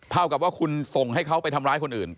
เท่ากับว่าคุณส่งให้เขาไปทำร้ายคนอื่น